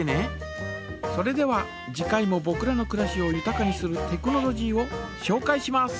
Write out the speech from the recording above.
それでは次回もぼくらのくらしをゆたかにするテクノロジーをしょうかいします。